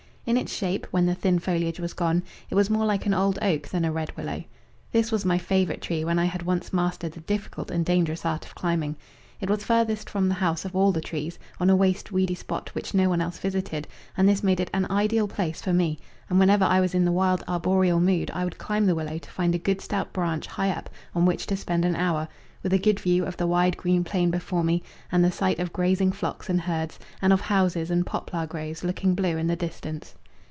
In its shape, when the thin foliage was gone, it was more like an old oak than a red willow. This was my favourite tree when I had once mastered the difficult and dangerous art of climbing. It was farthest from the house of all the trees, on a waste weedy spot which no one else visited, and this made it an ideal place for me, and whenever I was in the wild arboreal mood I would climb the willow to find a good stout branch high up on which to spend an hour, with a good view of the wide green plain before me and the sight of grazing flocks and herds, and of houses and poplar groves looking blue in the distance.